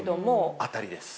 当たりです。